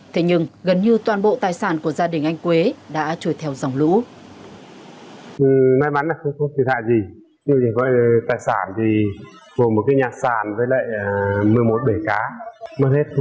thế nhưng gần như toàn bộ tài sản của gia đình anh quế